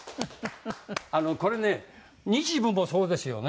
あのこれね日舞もそうですよね？